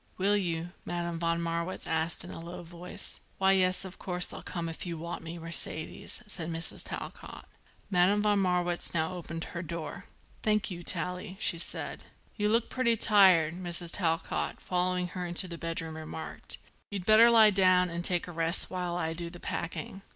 "Will you?" Madame von Marwitz asked in a low voice. "Why, yes, of course I'll come if you want me, Mercedes," said Mrs. Talcott. Madame von Marwitz now opened her door. "Thank you, Tallie," she said. "You look pretty tired," Mrs. Talcott, following her into the bedroom, remarked. "You'd better lie down and take a rest while I do the packing.